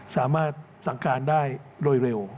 สามารถสั่งการได้โดยเร็ว